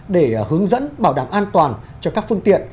để hướng dẫn bảo đảm an toàn cho các phương tiện